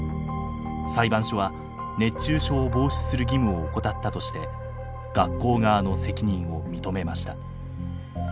裁判所は熱中症を防止する義務を怠ったとして学校側の責任を認めました。